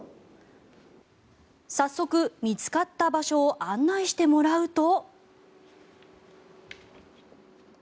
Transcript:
早速、見つかった場所を案内してもらうと。